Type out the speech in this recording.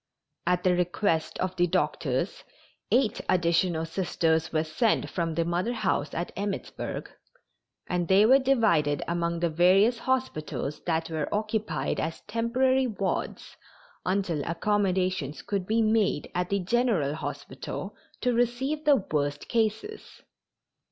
At the request of the doctors eight additional Sisters were sent from the Mother House at Emmittsburg, and they were divided among the various hospitals that were occupied as temporary wards until accommodations could be made at the general hospital to receive the worst cases.